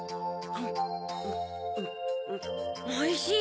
おいしい！